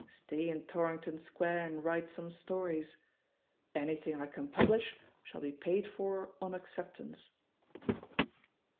Stay in Torrington Square and write some stories I Anything I can publish shall be paid for on acceptance."